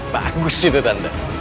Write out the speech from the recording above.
bagus itu tante